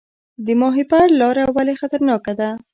د ماهیپر لاره ولې خطرناکه ده؟